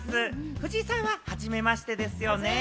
藤井さんは、初めましてですよね。